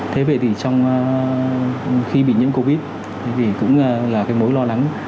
thế vậy thì trong khi bị nhiễm covid thì cũng là cái mối lo lắng